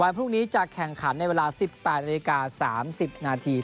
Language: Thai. พรุ่งนี้จะแข่งขันในเวลา๑๘นาฬิกา๓๐นาที